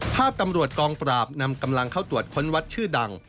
ภาพตำรวจกองปราบนำกำลังเข้าตรวจค้นวัดชื่อดัง